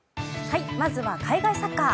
まずは海外サッカー。